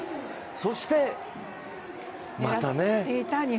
そして、またね。